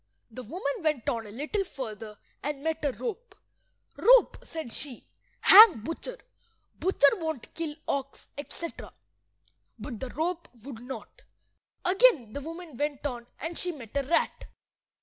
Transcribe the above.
The woman went on a little further, and met a rope. "Rope," said she, "hang butcher. Butcher won't kill ox," etc. But the rope would not. Again the woman went on, and she met a rat.